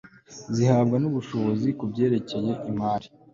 zihabwa n'ubushobozi ku byerekeye imari